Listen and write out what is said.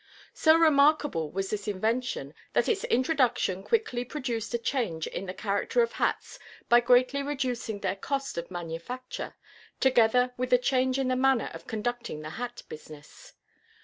So remarkable was this invention that its introduction quickly produced a change in the character of hats by greatly reducing their cost of manufacture, together with a change in the manner of conducting the hat business.